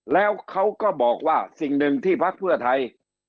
แล้วเขาก็บอกว่าสิ่งหนึ่งที่พักเพื่อไทย